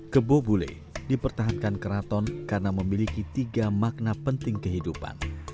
kebo bule dipertahankan keraton karena memiliki tiga makna penting kehidupan